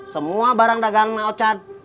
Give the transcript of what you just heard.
semua barang dagang mang ochan